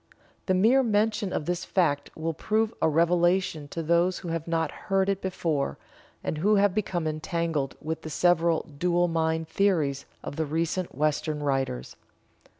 The mere mention of this fact will prove a revelation to those who have not heard it before, and who have become entangled with the several "dual mind" theories of the recent Western writers.